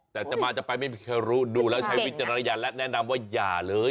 แต่จะมาจะไปไม่มีใครรู้ดูแล้วใช้วิจารณญาณและแนะนำว่าอย่าเลย